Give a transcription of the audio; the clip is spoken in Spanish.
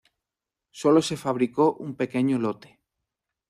Solo se fabricó un pequeño lote.